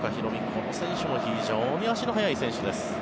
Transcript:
この選手も非常に足の速い選手です。